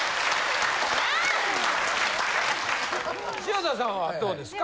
潮田さんはどうですか？